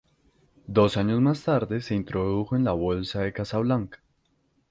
Dos años más tarde, se introdujo en la bolsa de Casablanca.